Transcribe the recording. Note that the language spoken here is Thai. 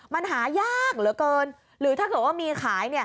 มันหายากเหลือเกินหรือถ้าเกิดว่ามีขาย